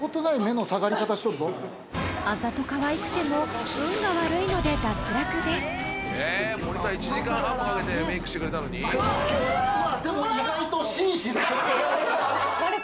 ［あざとかわいくても運が悪いので脱落です］でも。